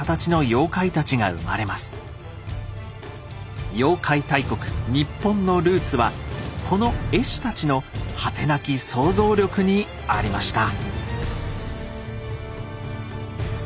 妖怪大国ニッポンのルーツはこの絵師たちの果てなき想像力にありました。